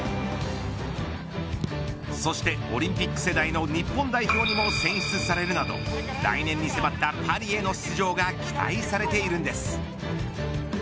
そしてオリンピック世代の日本代表にも選出されるなど来年に迫ったパリへの出場が期待されているんです。